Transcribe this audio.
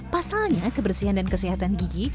pasalnya kebersihan dan kesehatan gigi